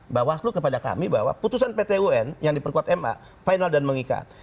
bawaslu kepada kami bahwa putusan pt un yang diperkuat ma final dan mengikat